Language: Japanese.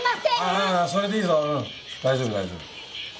あぁそれでいいぞうん大丈夫大丈夫。